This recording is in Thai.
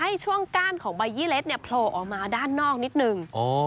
ให้ช่วงก้านของใบยี่เล็ดเนี่ยโผล่ออกมาด้านนอกนิดนึง